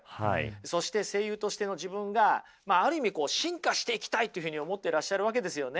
そして声優としての自分がある意味進化していきたいというふうに思っていらっしゃるわけですよね。